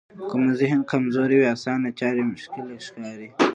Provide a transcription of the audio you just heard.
که مو ذهن کمزوری وي اسانه چارې مشکله ښکاري.